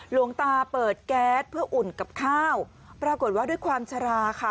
หลวงตาเปิดแก๊สเพื่ออุ่นกับข้าวปรากฏว่าด้วยความชะลาค่ะ